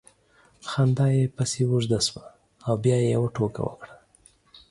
خندا یې پسې اوږده سوه او بیا یې یوه ټوکه وکړه